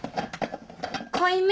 濃いめ？